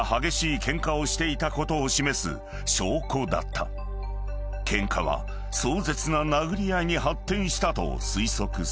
［ケンカは壮絶な殴り合いに発展したと推測される］